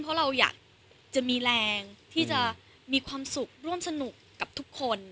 เพราะเราอยากจะมีแรงที่จะมีความสุขร่วมสนุกกับทุกคน